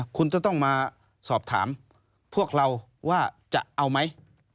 คุณจะต้องมาสอบถามพวกเราว่าจะเอาไหม